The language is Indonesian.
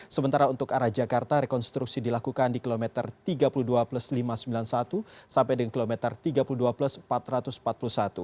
sementara untuk arah jakarta rekonstruksi dilakukan di kilometer tiga puluh dua plus lima ratus sembilan puluh satu sampai dengan kilometer tiga puluh dua plus empat ratus empat puluh satu